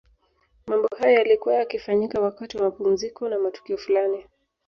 Mambo hayo yalikuwa yakifanyika wakati wa mapumziko na matukio fulani